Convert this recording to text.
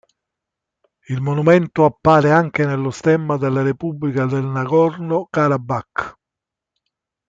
Il monumento appare anche nello stemma della repubblica del Nagorno Karabakh.